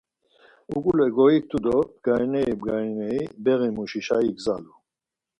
Uǩule goiktu do bgarineri bgarineri beği muşişa igzalu.